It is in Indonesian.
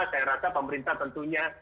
saya rasa pemerintah tentunya